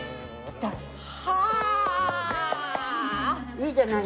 いいじゃない。